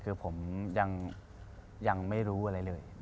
คือผมยังไม่รู้อะไรเลย